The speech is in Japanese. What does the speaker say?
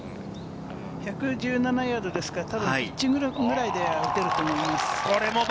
１１７ヤードですから、たぶんピッチングぐらいで打ってると思います。